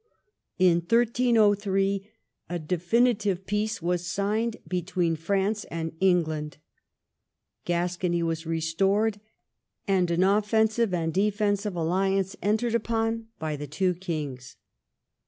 In 1303 a definitive peace was signed between France and England ; Gascony was restored, and an offensive and defensive alliance entered upon by the two kings.